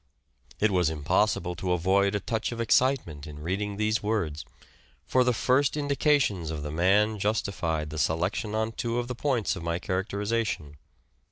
It was impossible to avoid a touch of excitement in reading these words ; for the first indications of the man justified the selection on two of the points of my characterization.